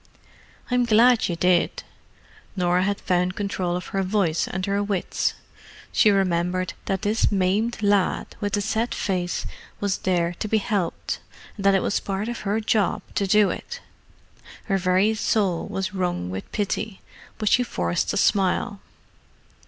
"I'm glad you did." Norah had found control of her voice and her wits: she remembered that this maimed lad with the set face was there to be helped, and that it was part of her job to do it. Her very soul was wrung with pity, but she forced a smile.